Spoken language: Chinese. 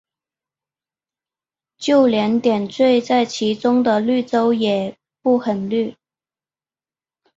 就连点缀在其中的绿洲也不很绿。